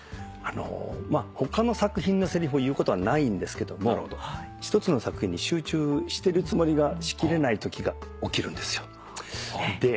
他の作品のセリフを言うことはないんですけども一つの作品に集中してるつもりがしきれないときが起きるんですよ。